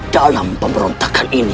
dalam pemberontakan ini